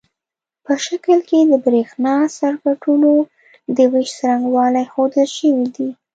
په شکل کې د برېښنا سرکټونو د وېش څرنګوالي ښودل شوي دي.